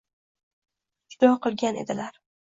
Judo qilgan edilar.